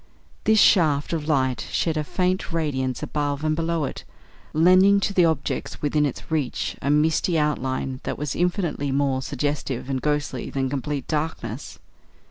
This shaft of light shed a faint radiance above and below it, lending to the objects within its reach a misty outline that was infinitely more suggestive and ghostly than complete darkness.